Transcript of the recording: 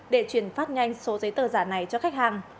để chuyển phát nhanh số giấy tờ giả này cho khách hàng